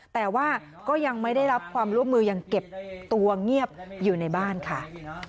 แต่ว่าก็ยังไม่ได้รับความร่วมมือยังเก็บตัวเงียบอยู่ในบ้านค่ะ